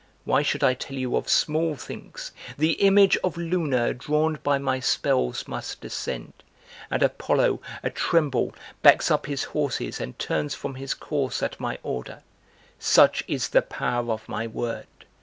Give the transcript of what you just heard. Why should I tell you of small things? The image of Luna Drawn by my spells must descend, and Apollo, atremble Backs up his horses and turns from his course at my order! Such is the power of my word!